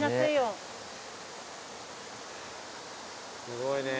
すごいね。